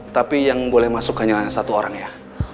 tapi yang boleh masuk hanya satu orang ya